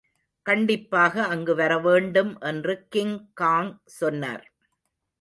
கண்டிப்பாக அங்குவரவேண்டும் என்று கிங்காங் சொன்னார்.